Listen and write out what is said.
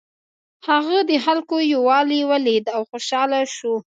هغه د خلکو یووالی ولید او خوشحاله شو.